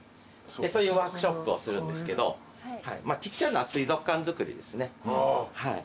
そういうワークショップをするんですけどちっちゃな水族館作りですね。